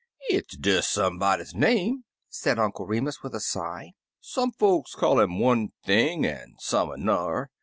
"It's des Somebody's name," said Uncle Remus, with a sigh. "Some folks call 'im one thing an' some an'er.